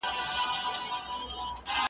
د هغه چا لیدلو څخه چي نغواړم ویوینم